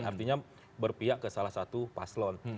artinya berpihak ke salah satu paslon